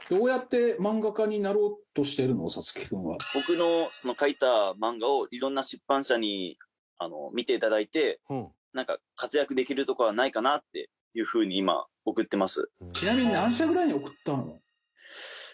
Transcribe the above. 僕の描いた漫画をいろんな出版社に見ていただいてなんか活躍できるとこはないかなっていう風に今送ってます。